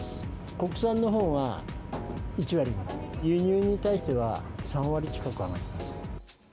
国産のほうが１割、輸入に対しては３割近く上がってますよね。